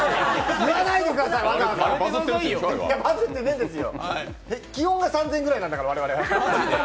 言わないでください、バズってないです、基本が３０００回ぐらいなんだから我々。